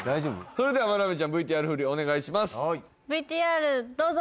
それでは間鍋ちゃんＶＴＲフリお願いします